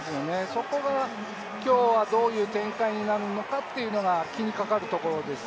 そこが今日はどういう展開になるのかというのが気にかかるところです。